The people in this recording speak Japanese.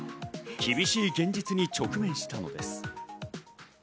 厳しい現実に直面したのです。